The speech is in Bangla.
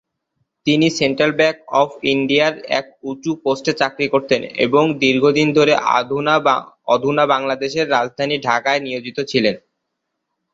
তিনি সেন্ট্রাল ব্যাঙ্ক অফ ইন্ডিয়ার এক উঁচু পোস্টে চাকরি করতেন এবং দীর্ঘদিন ধরে অধুনা বাংলাদেশের রাজধানী ঢাকায় নিয়োজিত ছিলেন।